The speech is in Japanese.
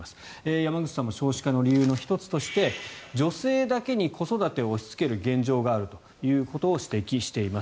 山口さんも少子化の理由の１つとして女性だけに子育てを押しつける現状があるということを指摘しています。